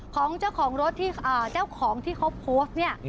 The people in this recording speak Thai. ของเจ้าของที่เขาโพสต์เนี่ย